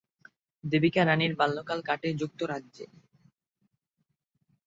দেবিকা রাণীর বাল্যকাল কাটে যুক্তরাজ্যে।